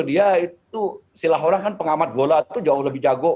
dia itu silah orang kan pengamat bola itu jauh lebih jago